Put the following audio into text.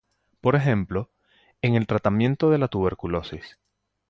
Por ejemplo, en el tratamiento de la tuberculosis.